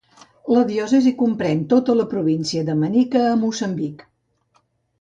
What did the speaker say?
La diòcesi comprèn tota la província de Manica, a Moçambic.